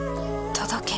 届け。